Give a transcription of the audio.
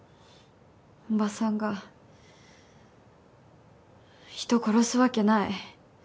おばさんが人殺すわけない。